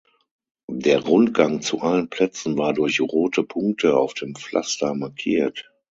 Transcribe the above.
Der Rundgang zu allen Plätzen war durch rote Punkte auf dem Pflaster markiert.